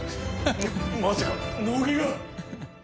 まさか乃木が！？